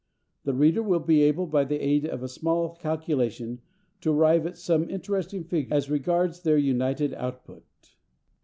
The reader will be able, by the aid of a small calculation, to arrive at some interesting figures as regards their united output.